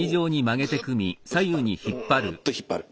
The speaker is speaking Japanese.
うっと引っ張る。